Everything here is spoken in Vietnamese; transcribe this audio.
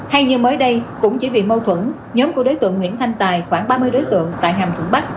hay như mới đây cũng chỉ vì mâu thuẫn nhóm của đối tượng nguyễn thanh tài khoảng ba mươi đối tượng tại hàm thuận bắc